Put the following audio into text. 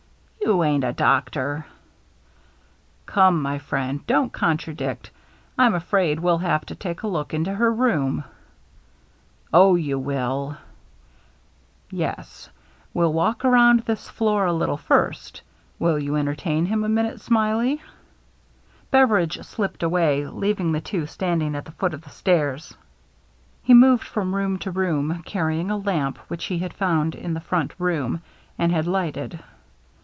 •*Yoa ain't a doctor." •*Come, my friend, don't contradict. I'm afraid we'll have to take a look into her roonu" "Oh, yoa wiU!" " Yes. We'll walk around this floor a little first. Will you entertain him a minute. Smiley?" Beveridge slipped away, leaving the two standing at the foot of the stairs. He moved from room to room, carrying a lamp which he had found in the front room and had lighted.